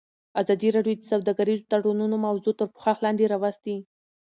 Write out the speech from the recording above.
ازادي راډیو د سوداګریز تړونونه موضوع تر پوښښ لاندې راوستې.